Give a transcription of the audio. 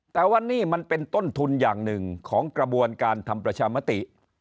แต่ว่านี่มันเป็นต้นทุนอย่างหนึ่งของกระบวนการทำประชามติ